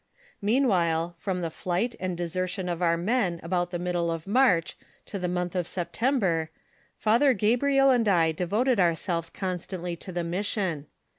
Meanwhile, from the flight and desertion of our men about the middle of Mai'ch to the month of September, Father Ga briel and I devoted ourselves constantly to the mission.